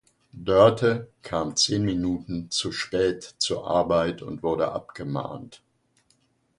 Dörte kam zehn Minuten zu spät zur Arbeit und wurde abgemahnt.